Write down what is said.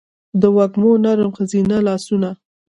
دوږمو نرم ښځینه لا سونه